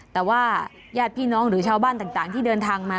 แต่ว่าญาติพี่น้องหรือชาวบ้านต่างที่เดินทางมา